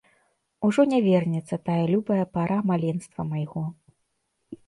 Ужо не вернецца тая любая пара маленства майго.